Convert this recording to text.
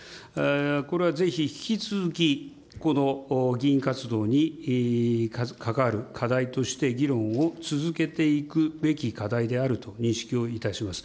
これはぜひ、引き続き、この議員活動に関わる課題として、議論を続けていくべき課題であると認識をいたします。